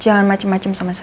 jangan macem macem sama saya